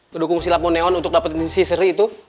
ngedukung silapmu neon untuk dapetin si seri itu